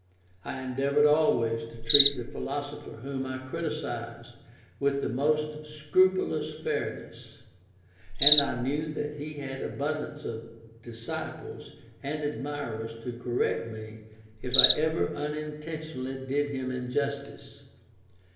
I endeavoured always to treat the philosopher whom I criticized with the most scrupulous fairness; and I knew that he had abundance of disciples and admirers to correct me if I ever unintentionally did him injustice.